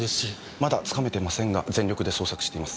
まだつかめていませんが全力で捜索しています。